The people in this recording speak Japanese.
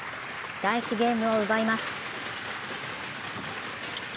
第１ゲームを奪います。